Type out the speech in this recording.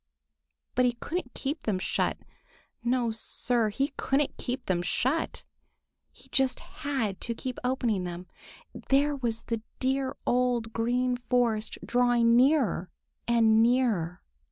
But he couldn't keep them shut. No, Sir, he couldn't keep them shut! He just had to keep opening them. There was the dear old Green Forest drawing nearer and nearer.